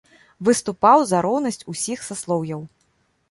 Выступаў за роўнасць усіх саслоўяў.